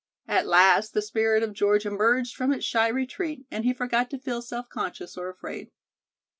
At last the spirit of George emerged from its shy retreat, and he forgot to feel self conscious or afraid.